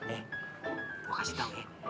eh gue kasih tau ya